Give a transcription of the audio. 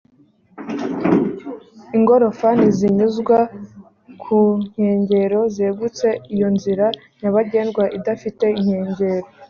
ingorofani zinyuzwa ku nkengero zegutse iyo inzira nyabagendwa idafite inkengero